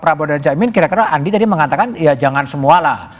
prabowo dan caimin kira kira andi tadi mengatakan ya jangan semua lah